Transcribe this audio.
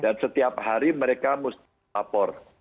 dan setiap hari mereka musti apor